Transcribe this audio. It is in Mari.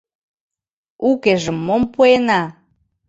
— Укежым мом пуэна.